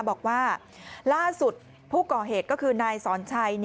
บอกว่าล่าสุดผู้ก่อเหตุก็คือนายสอนชัย